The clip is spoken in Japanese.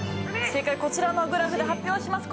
正解はこちらのグラフで発表します。